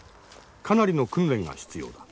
かなりの訓練が必要だ。